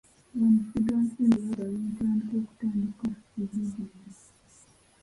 Ba musigansimbi bagaba entandikwa okutandika zi bizinensi.